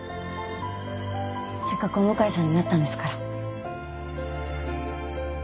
せっかくお向かいさんになったんですから。